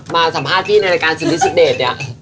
มาสัมภาพพี่ในรายการซีริสซ์ซื้อเดรตเนี่ย